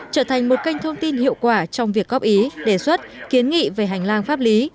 trở thành một kênh thông tin hiệu quả trong việc góp ý đề xuất kiến nghị về hành lang pháp lý